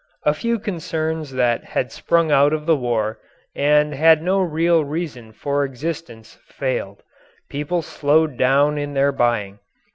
A few concerns that had sprung out of the war and had no real reason for existence failed. People slowed down in their buying.